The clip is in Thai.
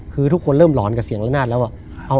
คือทุกคนเริ่มหลอนกับเสียงละนาดแล้ว